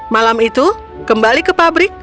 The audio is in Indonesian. malam itu kembali ke pabrik